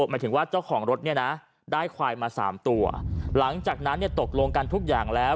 หมายถึงว่าเจ้าของรถเนี่ยนะได้ควายมาสามตัวหลังจากนั้นเนี่ยตกลงกันทุกอย่างแล้ว